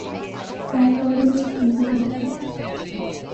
Gas lighting was cheaper than candles.